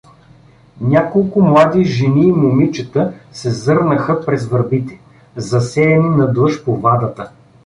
Няколко млади жени и момичета се зърнаха през върбите, засеяни надлъж по вадата.